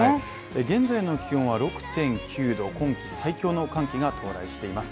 現在の気温は６．９度今季最強の寒気が到来しています。